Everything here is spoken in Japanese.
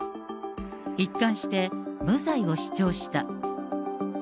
一貫して無罪を主張した。